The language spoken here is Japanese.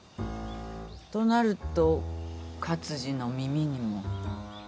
となると勝二の耳にも。